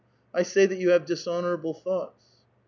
I say that you have dishonorable thoughts."